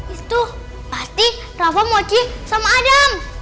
istuh pasti rafa mochi sama adam